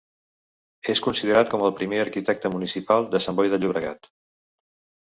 És considerat com el primer arquitecte municipal de Sant Boi de Llobregat.